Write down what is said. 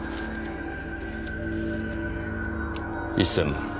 １０００万。